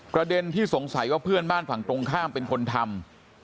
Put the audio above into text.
ประเด็นที่สงสัยว่าเพื่อนบ้านฝั่งตรงข้ามเป็นคนทำ